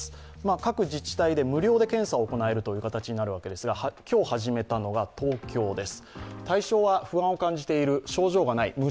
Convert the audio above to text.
各自治体で無料で検査を行えるという形になりますが、今日始めたのは東京です。